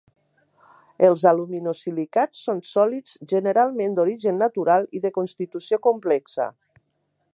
Els aluminosilicats són sòlids, generalment d'origen natural i de constitució complexa.